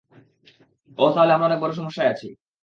ওহ, তাহলে আমরা অনেক বড় সমস্যায় আছি।